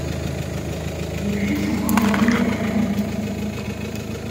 Les puits sont remblayés la même année.